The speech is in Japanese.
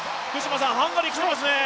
ハンガリー、きていますね。